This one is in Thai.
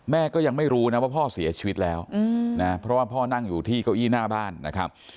แม่ก็ยังไม่รู้นะว่าพ่อเสียชีวิตแล้วนะเพราะว่าพ่อนั่งอยู่ที่เก้าอี้หน้าบ้านนะครับ